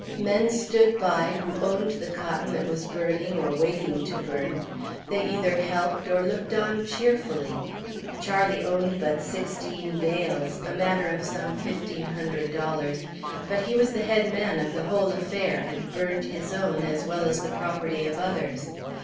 Men stood by who owned the cotton that was burning or waiting to burn. They either helped, or looked on cheerfully. Charlie owned but sixteen bales a matter of some fifteen hundred dollars; but he was the head man of the whole affair, and burned his own, as well as the property of others.